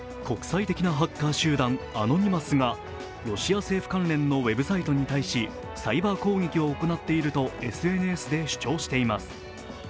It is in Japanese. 国際的なハッカー集団アノニマスがロシア政府関連のウェブサイトに対し、サイバー攻撃を行っているとＳＮＳで主張しています。